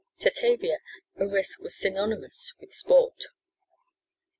To Tavia, a risk was synonymous with sport.